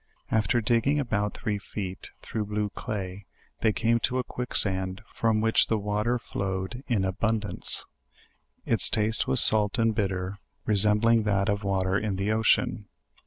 After digging about three feet, through blue clay, they came to a quicksand, from which the water flowed in abundance: its taste was salt and bitter, resembling that of water in the oceaa.